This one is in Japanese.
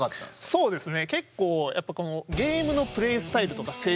そうですね